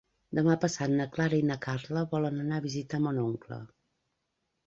Demà passat na Clara i na Carla volen anar a visitar mon oncle.